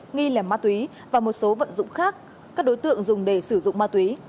nghi là ma túy và một số vận dụng khác các đối tượng dùng để sử dụng ma túy